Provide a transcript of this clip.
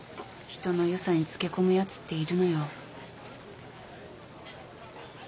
人の良さにつけ込むやつっているのよ。